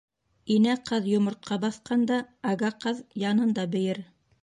Инә ҡаҙ йомортҡа баҫҡанда, ага ҡаҙ янында бейер.